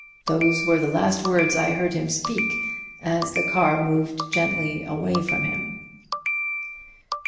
Those were the last words I heard him speak as the car moved gently away from him."